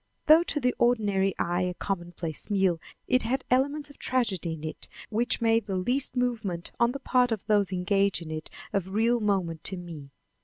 Though to the ordinary eye a commonplace meal, it had elements of tragedy in it which made the least movement on the part of those engaged in it of real moment to me.